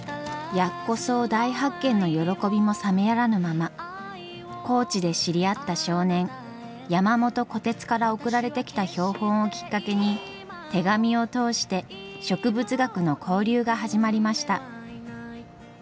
ヤッコソウ大発見の喜びも冷めやらぬまま高知で知り合った少年山元虎鉄から送られてきた標本をきっかけに手紙を通して植物学の交流が始まりました。